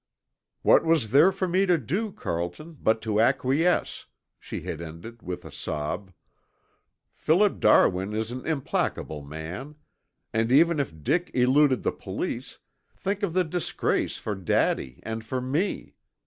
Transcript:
"What was there for me to do, Carlton, but to acquiesce?" she had ended with a sob. "Philip Darwin is an implacable man. And even if Dick eluded the police, think of the disgrace for Daddy and for me.